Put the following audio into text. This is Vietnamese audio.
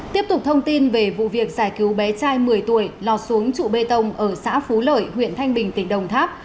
tiếp tục thông tin về vụ việc giải cứu bé trai một mươi tuổi lọt xuống trụ bê tông ở xã phú lợi huyện thanh bình tỉnh đồng tháp